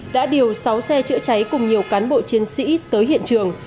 đã điều sáu xe chữa cháy cùng nhiều cán bộ chiến sĩ tới hiện trường